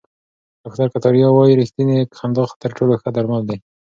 ډاکټر کتاریا وايي ریښتینې خندا تر ټولو ښه درمل دي.